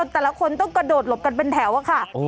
แต่ละคนต้องกระโดดหลบกันเป็นแถวอะค่ะ